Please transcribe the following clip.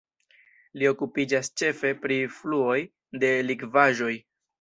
Li okupiĝas ĉefe pri fluoj de likvaĵoj.